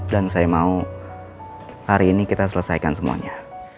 dan saya mau hari ini kita selesaikan semuanya